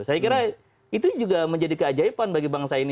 saya kira itu juga menjadi keajaiban bagi bangsa ini